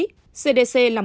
cdc là một trường hợp đồng tính